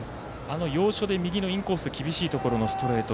要所で右のインコース厳しいところのストレート